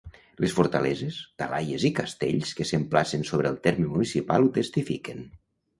Les fortaleses, talaies i castells que s'emplacen sobre el terme municipal ho testifiquen.